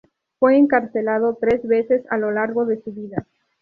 Fue encarcelado tres veces a lo largo de su vida.